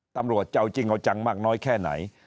ตำรวจจะเอาจริงเอาจังมากน้อยแค่ไหน